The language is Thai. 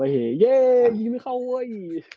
เฮเยยิงเข้าเลย